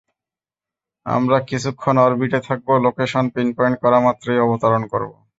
আমরা কিছুক্ষণ অরবিটে থাকব, লোকেশন পিনপয়েন্ট করা মাত্রই অবতরন করব।